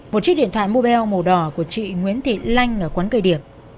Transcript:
một chiếc điện thoại mobile màu đỏ của chị nguyễn thị lanh ở quán cây điệp